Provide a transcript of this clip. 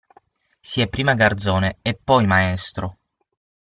Si è prima garzone e poi maestro.